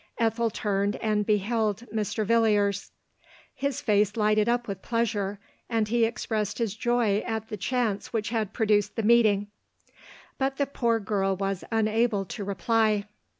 Ethel turned and beheld Mr. Villiers. I lis face lighted up with pleasure, and he expressed his joy at the chance which had prod need the meeting; but the poor girl was unable to reply.